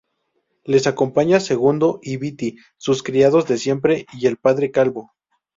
Les acompañan Segundo y Viti, sus criados de siempre, y el padre Calvo.